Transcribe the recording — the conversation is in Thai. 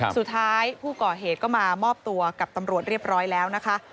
สุดท้ายผู้ก่อเหตุก็มามอบตัวกับตำรวจเรียบร้อยแล้วนะคะ